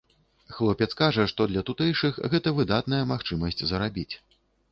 Хлопец кажа, што для тутэйшых гэта выдатная магчымасць зарабіць.